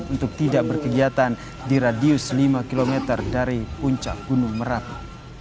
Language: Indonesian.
untuk tidak berkegiatan di radius lima km dari puncak gunung merapi